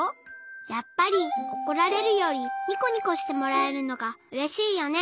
やっぱりおこられるよりニコニコしてもらえるのがうれしいよね。